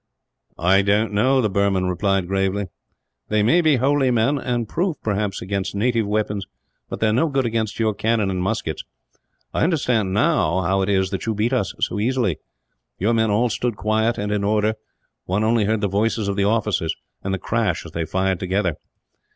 "I don't know," the Burman replied, gravely. "They may be holy men; and proof, perhaps, against native weapons; but they are no good against your cannon and muskets. I understand, now, how it is that you beat us so easily. Your men all stood quiet, and in order; one only heard the voices of the officers, and the crash as they fired together.